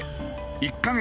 １カ月